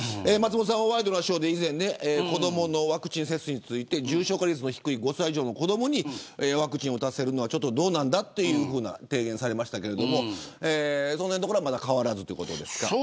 松本さんはワイドナショーで以前子どものワクチン接種について重症化率の低い５歳以上の子どもにワクチンを打たせるのはちょっとどうなんだというふうな提言をされましたけれどもその辺のところはまだ変わらずということですか。